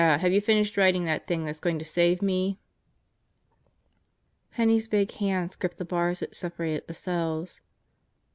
Have you finished writing that thing that's going to save me?" Penney's big hands gripped the bars which separated the cells.